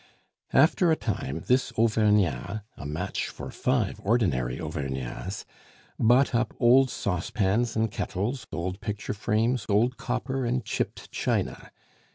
After a time this Auvergnat, a match for five ordinary Auvergnats, bought up old saucepans and kettles, old picture frames, old copper, and chipped china.